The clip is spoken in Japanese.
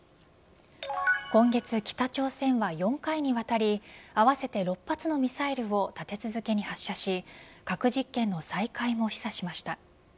今月、北朝鮮は４回にわたり合わせて６発のミサイルを立て続けに発射し核実験の再開も示唆しました。